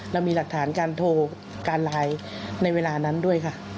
เรามีหลักฐานการโทรการไลน์ในเวลานั้นด้วยค่ะ